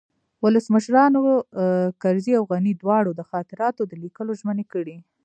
ولسمشرانو کرزي او غني دواړو د خاطراتو د لیکلو ژمني کړې